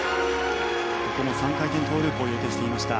ここも３回転トウループを予定していました。